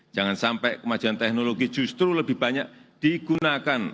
jangan sampai kemajuan teknologi justru lebih banyak digunakan